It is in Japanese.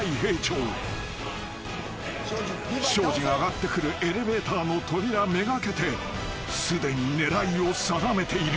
［庄司が上がってくるエレベーターの扉目がけてすでに狙いを定めている］